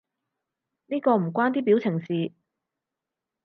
呢個唔關啲表情事